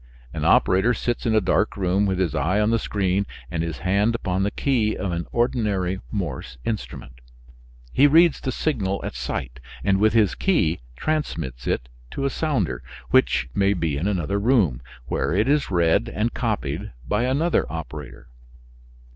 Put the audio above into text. An operator sits in a dark room with his eye on the screen and his hand upon the key of an ordinary Morse instrument. He reads the signal at sight, and with his key transmits it to a sounder, which may be in another room, where it is read and copied by another operator.